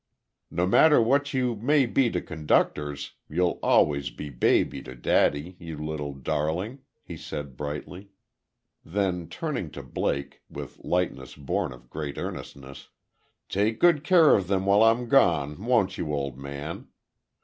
"No matter what you may be to conductors, you'll always be baby to daddy, you little darling," he said, brightly. Then, turning to Blake, with lightness born of great earnestness: "Take good care of them while I'm gone, won't you, old man.